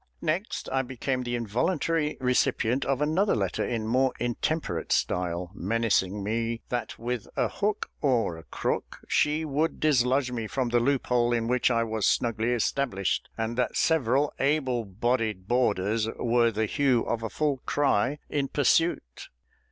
Next I became the involuntary recipient of another letter in more intemperate style, menacing me that with a hook or a crook, she would dislodge me from the loophole in which I was snugly established, and that several able bodied boarders were the hue of a full cry in pursuit.